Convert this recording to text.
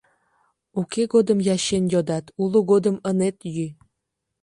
— Уке годым ячен йодат, уло годым ынет йӱ.